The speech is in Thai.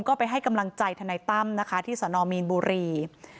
ก็ไปให้กำลังใจทนายตั้มนะคะที่สนมีนบุรี